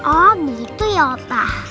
oh begitu ya opah